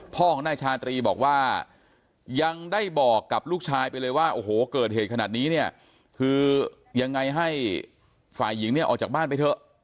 พ่อของนายชาตรีบอกว่ายังได้บอกกับลูกชายไปเลยว่าโอ้โหเกิดเหตุขนาดนี้เนี่ยคือยังไงให้ฝ่ายหญิงเนี่ยออกจากบ้านไปเถอะ